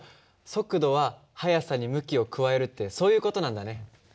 速度は速さに向きを加えるってそういう事なんだね。